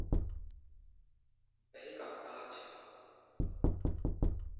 北港大橋